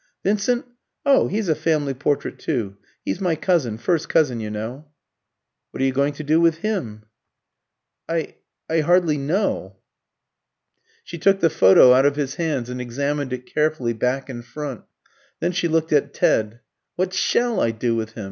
"Vincent? Oh, he's a family portrait too. He's my cousin first cousin, you know." "What are you going to do with him?" "I I hardly know." She took the photo out of his hands and examined it carefully back and front. Then she looked at Ted. "What shall I do with him?